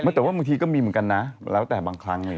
แต่ว่าบางทีก็มีเหมือนกันนะแล้วแต่บางครั้ง